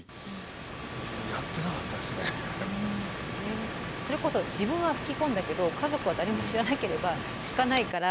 何かそれこそ自分は吹き込んだけど家族は誰も知らなければ聞かないから。